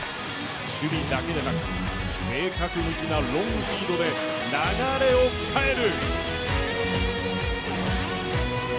守備だけじゃなく正確無比なロングフィードで流れを変える。